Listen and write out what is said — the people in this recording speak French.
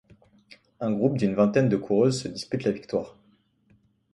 Un groupe d'une vingtaine de coureuses se dispute la victoire.